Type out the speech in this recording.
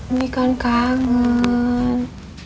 ini kan kangen